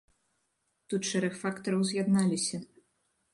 Тут шэраг фактараў з'ядналіся.